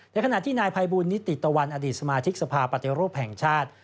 ขณะที่นายภัยบูลนิติตะวันอดีตสมาชิกสภาปฏิรูปแห่งชาติ